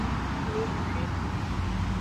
Nukwi.